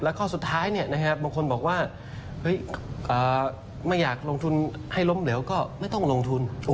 แล้วก็สุดท้ายบางคนบอกว่าไม่อยากลงทุนให้ล้มเหลวก็ไม่ต้องลงทุน